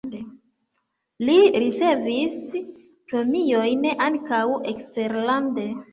Li ricevis premiojn ankaŭ eksterlande.